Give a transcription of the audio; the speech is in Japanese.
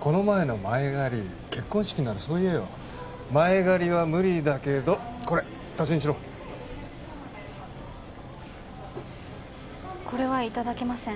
この前の前借り結婚資金ならそう言えよ前借りは無理だけどこれ足しにしろこれはいただけません